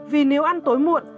vì nếu ăn tối muộn